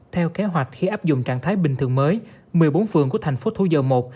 theo kế hoạch khi áp dụng trạng thái bình thường mới một mươi bốn phường của thành phố thu dầu một